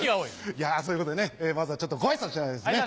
いやそういうことでねまずはご挨拶しないとですね。